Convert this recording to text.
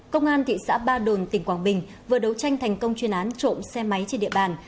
công an thị xã ba đồn tỉnh quảng bình vừa đấu tranh thành công chuyên án trộm xe máy trên địa bàn